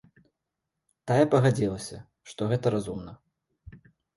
Тая пагадзілася, што гэта разумна.